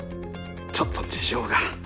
ちょっと事情が。